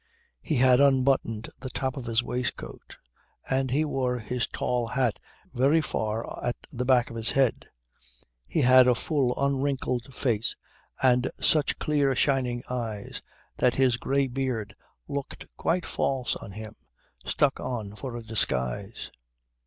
He had unbuttoned the top of his waistcoat and he wore his tall hat very far at the back of his head. He had a full unwrinkled face and such clear shining eyes that his grey beard looked quite false on him, stuck on for a disguise.